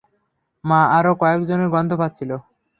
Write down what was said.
মা আরও কয়েকজনের গন্ধ পাচ্ছিল।